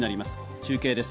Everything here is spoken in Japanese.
中継です。